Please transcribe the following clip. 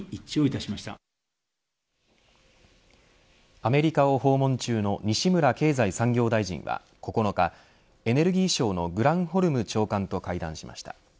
アメリカを訪問中の西村経済産業大臣は９日エネルギー省のグランホルム長官と会談しました。